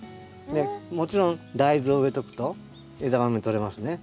もちろん大豆を植えとくと枝豆とれますね。